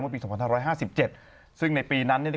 เมื่อปี๒๕๕๗ซึ่งในปีนั้น